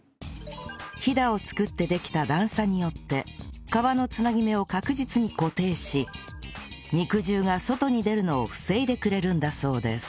ひだを作ってできた段差によって皮の繋ぎ目を確実に固定し肉汁が外に出るのを防いでくれるんだそうです